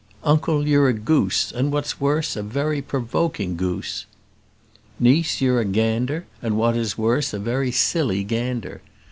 "Uncle, you're a goose; and what is worse, a very provoking goose." "Niece, you're a gander; and what is worse, a very silly gander.